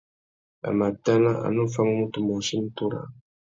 A mà tana a nu famú mutu môchï nutu râā.